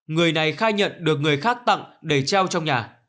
người này khai nhận được người khác tặng để treo trong nhà